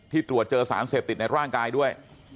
ตรวจเจอสารเสพติดในร่างกายด้วย